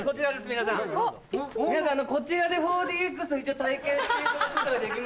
皆さんこちらで４ＤＸ体験していただくことができますんで。